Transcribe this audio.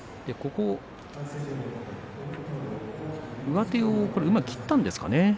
上手をうまく切ったんですかね。